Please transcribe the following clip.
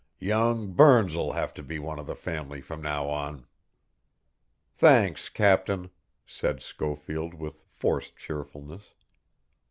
Young Burns'll have to be one of the family from now on." "Thanks, captain," said Schofield with forced cheerfulness.